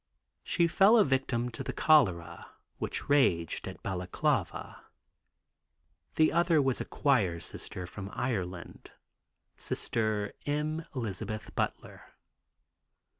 She fell a victim to the cholera which raged at Balaklava. The other was a choir Sister from Ireland, Sister M. Elizabeth Butler.